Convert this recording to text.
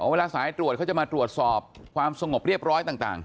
เวลาสายตรวจเขาจะมาตรวจสอบความสงบเรียบร้อยต่าง